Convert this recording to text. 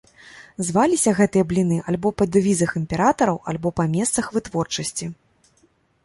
Зваліся гэтыя бліны альбо па дэвізах імператараў, альбо па месцах вытворчасці.